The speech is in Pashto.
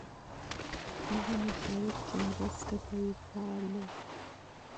هغه مشاور چې مرسته کوي فعال دی.